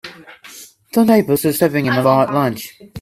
The neighbors are serving him a light lunch.